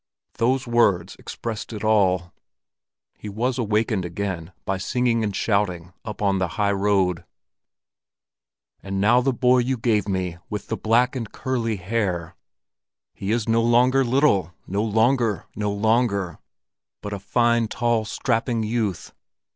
Those words expressed it all. He was awakened again by singing and shouting up on the high road. "And now the boy you gave me With the black and curly hair, He is no longer little, No longer, no longer, But a fine, tall strapping youth."